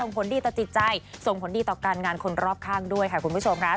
ผลดีต่อจิตใจส่งผลดีต่อการงานคนรอบข้างด้วยค่ะคุณผู้ชมค่ะ